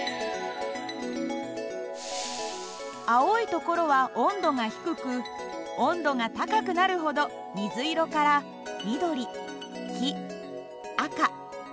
青いところは温度が低く温度が高くなるほど水色から緑黄赤ピンクで表示されます。